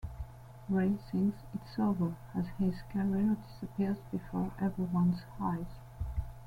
Ray sings 'It's over' as his career disappears before everyone's eyes.